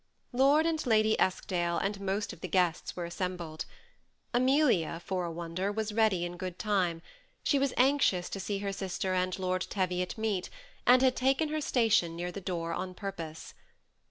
Lord and Lady Eskdale and most of the guests were assembled. Amelia, for a wonder, was ready in good time ; she was anxious to see her sister and Lord Teviot meet, and had taken her station near the door on pur pose.